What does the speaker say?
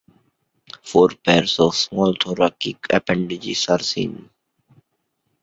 Four pairs of small thoracic appendages are seen.